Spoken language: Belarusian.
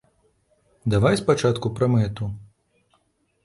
Давай спачатку пра мэту!